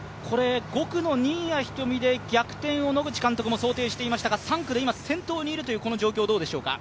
５区の新谷仁美で逆転を野口監督も想定していましたが、３区で今、先頭にいるこの状況、どうでしょうか？